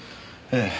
ええ。